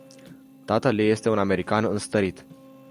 Tatăl ei este un american înstărit.